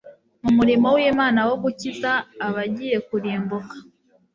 mu murimo wImana wo gukiza abagiye kurimbuka